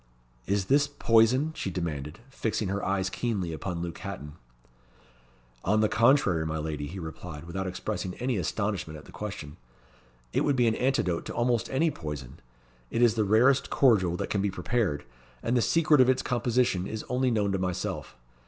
"Is this poison?" she demanded, fixing her eyes keenly upon Luke Hatton. "On the contrary, my lady," he replied, without expressing any astonishment at the question, "it would be an antidote to almost any poison. It is the rarest cordial that can be prepared, and the secret of its composition is only known to myself.